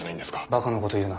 ばかなこと言うな。